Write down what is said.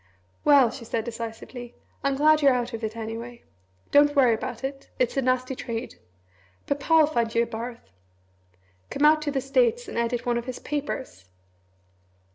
"Well," she said decisively, "I'm glad you're out of it, anyway. Don't worry about it. It's a nasty trade. Papa'll find you a berth. Come out to the States and edit one of his papers!"